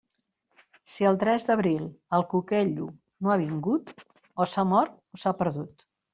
Si el tres d'abril el cuquello no ha vingut, o s'ha mort o s'ha perdut.